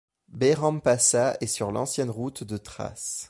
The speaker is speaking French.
Bayrampaşa est sur l'ancienne route de Thrace.